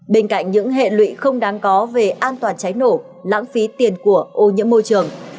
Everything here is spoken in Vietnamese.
bên cạnh những hệ lụy không đáng có về an toàn cháy nổ lãng phí tiền của ô nhiễm môi trường